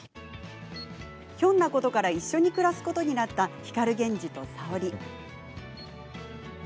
ひょんなことから一緒に暮らすことになった光源氏と沙織。